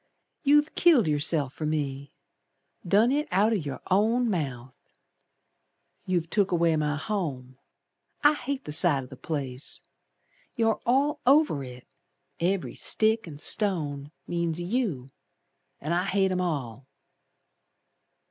You've killed yourself for me. Done it out o' your own mouth. You've took away my home, I hate the sight o' the place. You're all over it, Every stick an' stone means you, An' I hate 'em all."